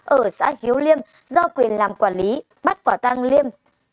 ở xã hiếu liêm do quyền làm quản lý bắt quả tang liêm